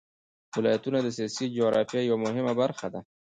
ولایتونه د سیاسي جغرافیه یوه مهمه برخه ده.